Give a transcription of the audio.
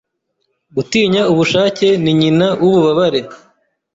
Gutinya ubushake, ni nyina wububabare